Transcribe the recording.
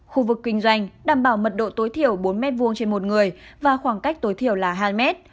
khu vực kinh doanh đảm bảo mật độ tối thiểu bốn m hai trên một người và khoảng cách tối thiểu là hai mét